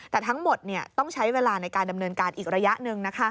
แต่ทั้งหมดต้องใช้เวลาในการดำเนินการอีกระยะหนึ่ง